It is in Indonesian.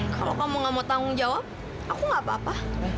kalau kamu gak mau tanggung jawab aku gak apa apa